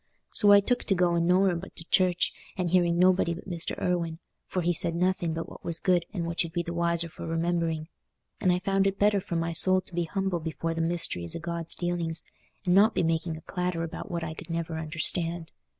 So I took to going nowhere but to church, and hearing nobody but Mr. Irwine, for he said nothing but what was good and what you'd be the wiser for remembering. And I found it better for my soul to be humble before the mysteries o' God's dealings, and not be making a clatter about what I could never understand.